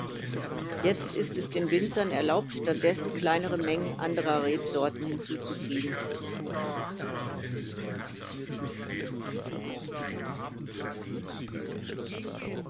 Jetzt ist es den Winzern erlaubt, stattdessen kleinere Mengen anderer Rebsorten hinzuzufügen.